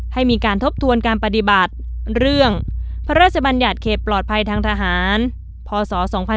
ให้มีการทบทวนการปฏิบัติเรื่องพระราชบัญญัติเขตปลอดภัยทางทหารพศ๒๕๖๒